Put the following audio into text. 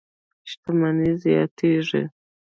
شتمنۍ زیاتېږي.